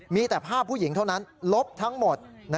มีแต่ภาพผู้หญิงเท่านั้นลบทั้งหมด